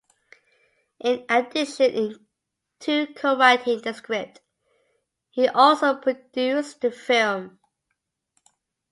In addition to co-writing the script, he also produced the film.